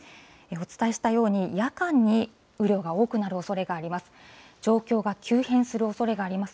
お伝えしたように、夜間に雨量が多くなるおそれがあります。